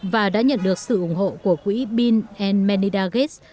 và đã nhận được sự ủng hộ của quỹ bin manida gates